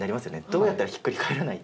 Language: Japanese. どうやったらひっくり返らない？